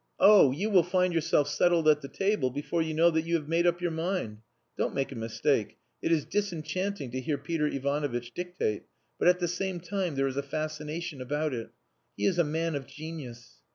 "Oh, you will find yourself settled at the table before you know that you have made up your mind. Don't make a mistake, it is disenchanting to hear Peter Ivanovitch dictate, but at the same time there is a fascination about it. He is a man of genius.